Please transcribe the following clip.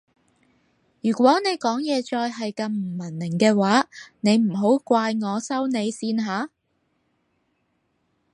如果你講嘢再係咁唔文明嘅話你唔好怪我收你線吓